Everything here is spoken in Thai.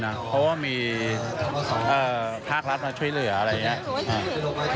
เพราะว่ามีภาครัฐมาช่วยเหลืออะไรอย่างนี้